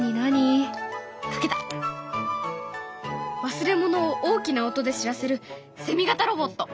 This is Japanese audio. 忘れ物を大きな音で知らせるセミ型ロボット。